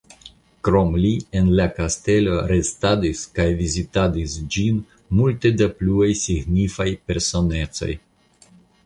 Krom li en la kastelo restadis kaj vizitadis ĝin multe da pluaj signifaj personecoj.